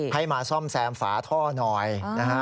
ให้มาซ่อมแซมฝาท่อหน่อยนะฮะ